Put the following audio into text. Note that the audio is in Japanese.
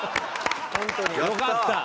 よかった。